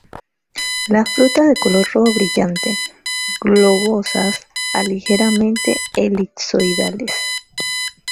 Las frutas de color rojo brillante, globosas a ligeramente elipsoidales.